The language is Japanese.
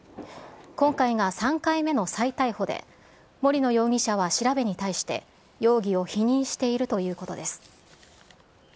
今回が３回目の再逮捕で、森野容疑者は調べに対して、容疑を否認しているということです。